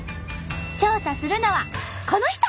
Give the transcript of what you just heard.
調査するのはこの人！